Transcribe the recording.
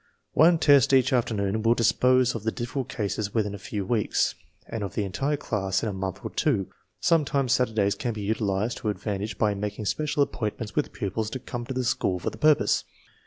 One test each afternoon will dispose of the difficult cases within a few weeks, and of the entire class in a month or two. Sometimes Saturdays can be utilized to advantage by making special appointments with pupils to come to the school for the purpose.